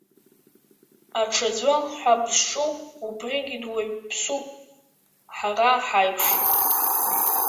Аҽаӡәы ҳәа бызҿу убригьы дуаҩԥсуп ҳара ҳаиԥш.